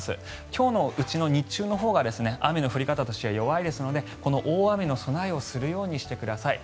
今日の日中のほうが雨の降り方としては弱いですのでこの大雨の備えをするようにしてください。